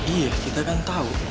iya kita kan tau